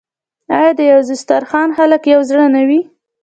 آیا د یو دسترخان خلک یو زړه نه وي؟